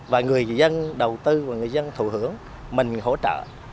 và người dân đầu tư và người dân thù hưởng mình hỗ trợ